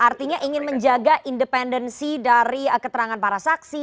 artinya ingin menjaga independensi dari keterangan para saksi